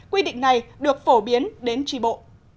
quy định này được phổ biến đến tri bộ